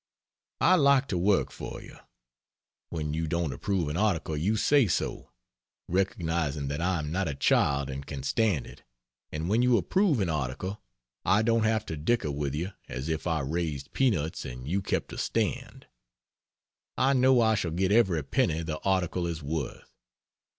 I like to work for you: when you don't approve an article you say so, recognizing that I am not a child and can stand it; and when you approve an article I don't have to dicker with you as if I raised peanuts and you kept a stand; I know I shall get every penny the article is worth.